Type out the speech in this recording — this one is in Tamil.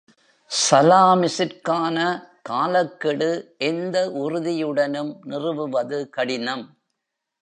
சலாமிஸிற்கான காலக்கெடு எந்த உறுதியுடனும் நிறுவுவது கடினம்.